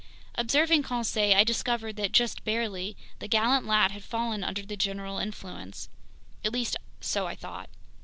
Observing Conseil, I discovered that, just barely, the gallant lad had fallen under the general influence. At least so I thought.